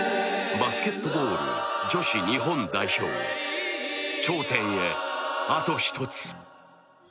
バスケットボール女子日本代表、頂点へ、あと一つ。